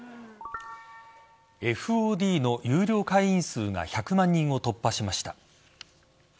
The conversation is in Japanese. ＦＯＤの有料会員数が１００万人を突破しました。